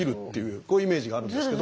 こういうイメージがあるんですけど。